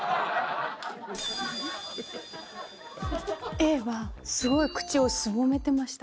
Ａはすごい口をすぼめてました。